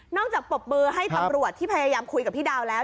จากปรบมือให้ตำรวจที่พยายามคุยกับพี่ดาวแล้ว